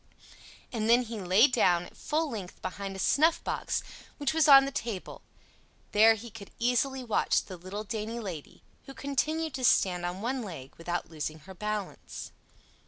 And then he lay down at full length behind a snuffbox which was on the table; there he could easily watch the little dainty lady, who continued to stand on one leg without losing her balance.